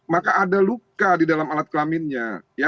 maka ada luka di dalam alat kelaminnya